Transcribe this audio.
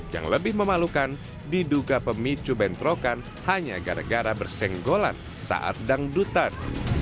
yang lebih memalukan diduga pemicu bentrokan hanya gara gara bersenggolan saat dangdutan